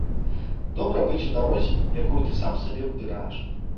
Добра быць у дарозе, якую ты сам сабе выбіраеш